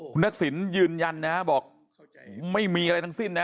คุณทักษิณยืนยันนะบอกไม่มีอะไรทั้งสิ้นนะ